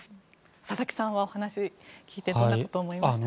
佐々木さんはお話を聞いてどんなことを思いましたか。